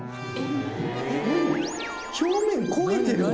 表面焦げてるわ。